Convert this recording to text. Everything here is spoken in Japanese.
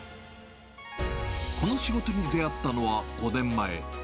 この仕事に出会ったのは５年前。